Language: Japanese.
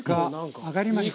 揚がりましたか？